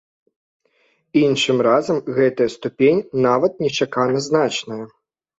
Іншым разам гэтая ступень нават нечакана значная.